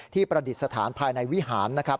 ประดิษฐานภายในวิหารนะครับ